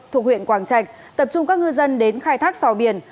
thuộc huyện quảng trạch tập trung các ngư dân đến khai thác sò biển